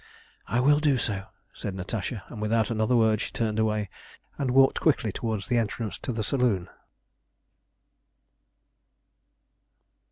"I will do so," said Natasha, and without another word she turned away and walked quickly towards the entrance to the saloon.